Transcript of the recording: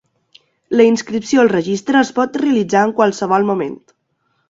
La inscripció al Registre es pot realitzar en qualsevol moment.